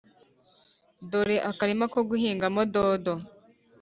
dore akarima ko guhingamo dodo.